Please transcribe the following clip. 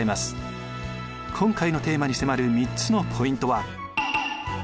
今回のテーマに迫る３つのポイントは。